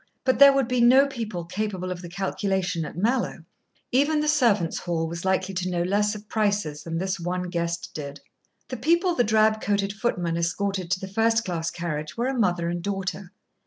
But there would be no people capable of the calculation at Mallowe. Even the servants' hall was likely to know less of prices than this one guest did. The people the drab coated footman escorted to the first class carriage were a mother and daughter.